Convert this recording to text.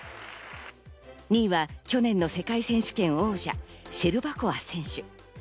２位は去年の世界選手権王者シェルバコワ選手。